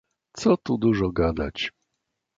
"Co tu dużo gadać."